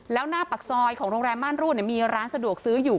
แล้วหน้าปากซอยของโรงแรมม่านรูดมีร้านสะดวกซื้ออยู่